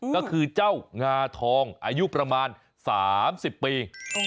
ก็คือเจ้างาทองอายุประมาณ๓๐ปี